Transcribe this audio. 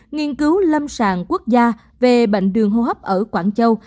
nghiên cứu lâm sàng quốc gia về bệnh đường hô hấp ở quảng châu